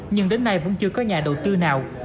nhưng đến nay vẫn chưa có nhà đầu tư nào